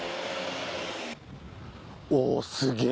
おおすげえ。